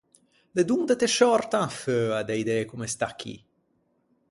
De donde te sciòrtan feua de idee comme sta chì?